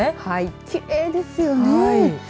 きれいですよね。